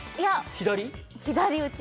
左打ち。